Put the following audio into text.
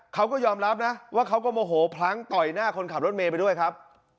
เขาก็ยอมรับนะว่าเขาก็โมโหพลั้งต่อยหน้าคนขับรถเมย์ไปด้วยครับ